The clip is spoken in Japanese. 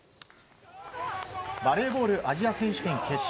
バレーボールアジア選手権決勝。